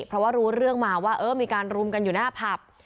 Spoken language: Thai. เพราะว่ารู้เรื่องมาว่าเออมีการรุมกันอยู่หน้าผับ